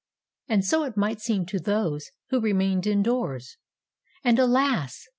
And so it might seem to those who remained indoors; and, alas!